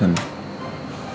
jangan malam sama aku